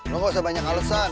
lu gak usah banyak alesan